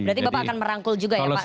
berarti bapak akan merangkul juga ya pak ya